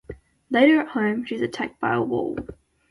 Later at home, she is attacked by a wall.